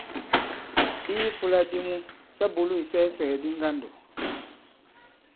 I ifūla di mu, sa bùlu isɛɛsɛ̀gɛ̀di ŋgandò.